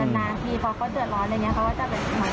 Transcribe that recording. นานทีพอเขาเดือดร้อนอะไรอย่างนี้